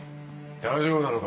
大丈夫なのか？